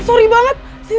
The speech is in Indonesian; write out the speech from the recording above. ayo buruan buruan buruan